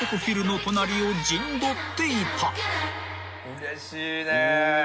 うれしい。